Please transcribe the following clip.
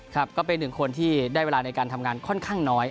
ก็เป็นหนึ่งคนที่ได้เวลาในการทำงานค่อนข้างน้อย